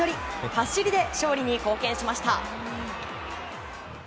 走りで勝利に貢献しました。